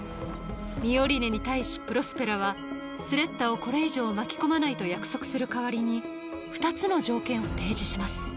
ミオリネに対しプロスペラはスレッタをこれ以上巻き込まないと約束する代わりに２つの条件を提示します